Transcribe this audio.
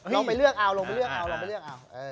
ลองไปเลือกเอาลองไปเลือกเอา